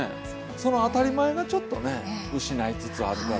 その当たり前がちょっとね失いつつあるから。